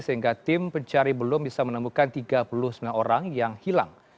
sehingga tim pencari belum bisa menemukan tiga puluh sembilan orang yang hilang